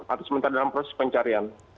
atau sementara dalam proses pencarian